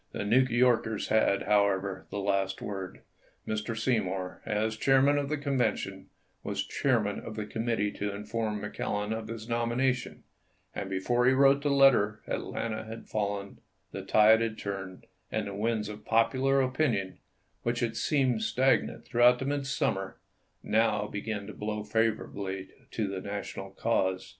The New Yorkers had, however, the last word. Mr. Seymour, as chairman of the Convention, was chairman of the committee to inform McClellan of his nomination, and before he wrote the letter At lanta had fallen, the tide had turned, and the winds of popular opinion, which had seemed stagnant throughout the midsummer, now began to blow fav orably to the National cause.